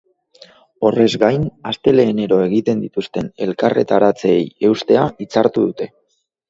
Horrez gain, astelehenero egiten dituzten elkarretaratzeei eustea hitzartu dute.